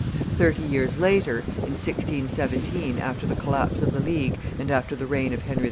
Thirty years later, in 1617, after the collapse of the League and after the reign of Henry IV.